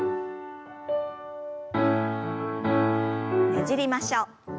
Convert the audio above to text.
ねじりましょう。